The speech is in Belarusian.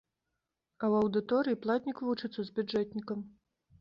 А ў аўдыторыі платнік вучыцца з бюджэтнікам.